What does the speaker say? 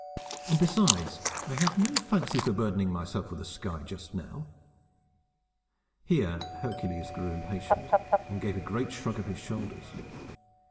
And, besides, I have no fancy for burdening myself with the sky, just now." Here Hercules grew impatient, and gave a great shrug of his shoulders.